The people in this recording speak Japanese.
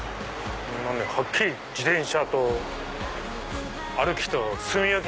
はっきり自転車と歩きとすみ分け。